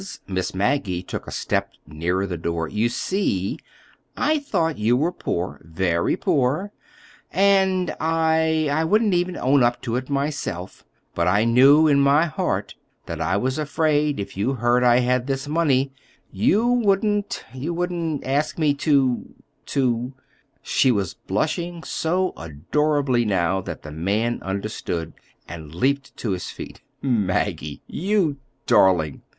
Miss Maggie took a step nearer the door. "You see, I thought you were poor—very poor, and I—I wouldn't even own up to it myself, but I knew, in my heart, that I was afraid, if you heard I had this money, you wouldn't—you wouldn't—ask me to—to—" She was blushing so adorably now that the man understood and leaped to his feet. "Maggie, you—darling!"